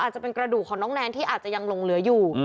จะเป็นกระดูกของน้องแนนที่อาจจะยังหลงเหลืออยู่